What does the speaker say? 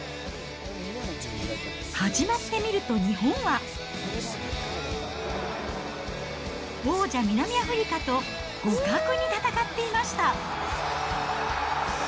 始まってみると日本は、王者、南アフリカと互角に戦っていました。